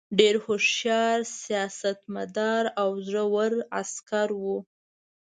ډېر هوښیار سیاستمدار او زړه ور عسکر وو.